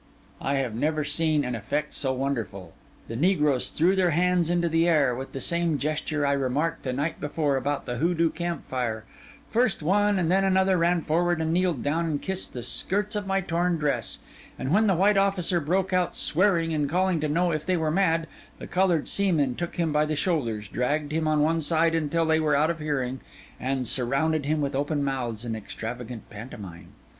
I had never seen an effect so wonderful. The negroes threw their hands into the air, with the same gesture I remarked the night before about the Hoodoo camp fire; first one, and then another, ran forward and kneeled down and kissed the skirts of my torn dress; and when the white officer broke out swearing and calling to know if they were mad, the coloured seamen took him by the shoulders, dragged him on one side till they were out of hearing, and surrounded him with open mouths and extravagant pantomime.